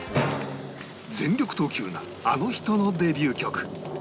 全力投球なあの人のデビュー曲